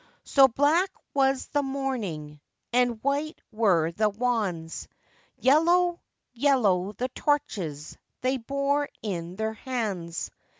So black was the mourning, And white were the wands, Yellow, yellow the torches, They bore in their hands.